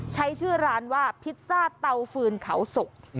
ใช้ชื่อร้านว่าพิซซ่าเตาฟืนเขาศก